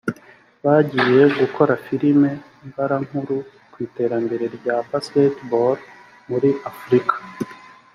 bagiye gukora filimi mbarankuru ku iterambere rya basketball muri afurika